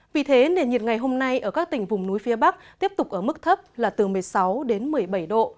vì thế nền nhiệt ngày hôm nay ở các tỉnh vùng núi phía bắc tiếp tục ở mức thấp là từ một mươi sáu đến một mươi bảy độ